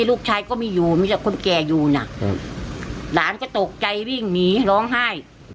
ลูกชายก็มีอยู่มีแต่คนแก่อยู่น่ะหลานก็ตกใจวิ่งหนีร้องไห้